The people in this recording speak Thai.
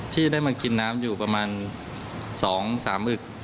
ที่ได้มากินน้ำอยู่ประมาณ๒๓อึก